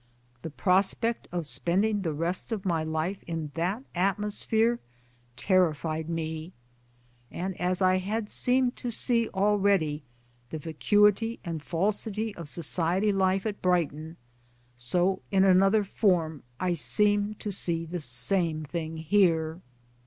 The prospect of spending the rest of my life in that atmo sphere terrified me ; and as I had seemed to see already the vacuity and falsity of society life at Brighton, so in another form I seemed to see the same thing here.